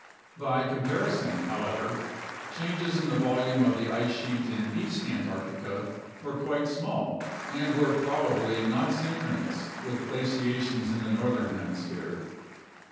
By comparison, however, changes in the volume of the ice sheet in East Antarctica were quite small and were probably not synchronous with glaciations in the northern hemisphere.